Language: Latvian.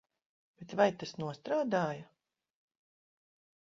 Bet vai tas nostrādāja?